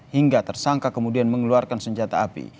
hingga tersangka kemudian mengeluarkan senjata api